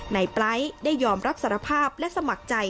ปลายได้ยอมรับสารภาพและสมัครใจ